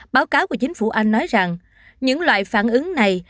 báo cáo của chính phủ anh nói rằng những loại phản ứng này